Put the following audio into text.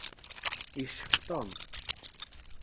Yeccef Tom.